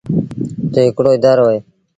تا هڪڙو اَدآرو اهي۔